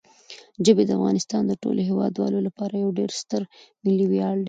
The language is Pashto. ژبې د افغانستان د ټولو هیوادوالو لپاره یو ډېر ستر ملي ویاړ دی.